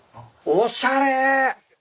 おしゃれ。